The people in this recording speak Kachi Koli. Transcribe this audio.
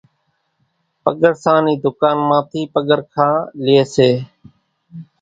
پڳرسان نِي ڌُڪان مان ٿي پگرکان لئي سي۔